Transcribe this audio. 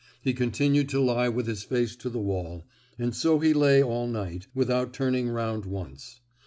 He continued to lie with his face to the wall, and so he lay all night, without turning round once.